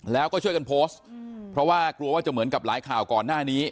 แล้วก็ช่วยกันโพสต์เพราะว่ากลัวว่าจะเหมือนกับหลายข่าวก่อนหน้านี้